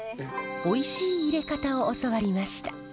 おいしいいれ方を教わりました。